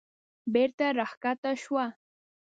بېرته راکښته شوه.